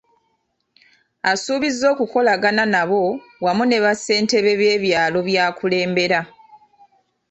Asuubizza okukolagana n’abo, wamu ne bassentebe b’ebyalo by’akulembera.